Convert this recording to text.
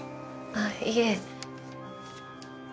ああいえ。